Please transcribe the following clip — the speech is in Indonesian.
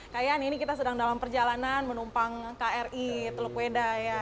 kayan ini kita sedang dalam perjalanan menumpang kri teluk weda ya